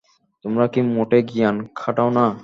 তোমরা কি মোটেই জ্ঞান খাটাও না?